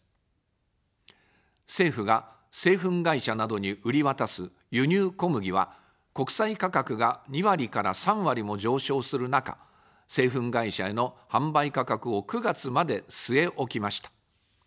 政府が製粉会社などに売り渡す輸入小麦は、国際価格が２割から３割も上昇する中、製粉会社への販売価格を９月まで据え置きました。